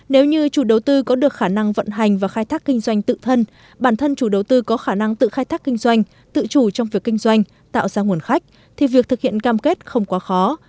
nếu như chủ đầu tư có được khả năng vận hành và khai thác kinh doanh tự thân bản thân chủ đầu tư có khả năng tự khai thác kinh doanh tự chủ trong việc kinh doanh tạo ra nguồn khách thì việc thực hiện cam kết không quá khó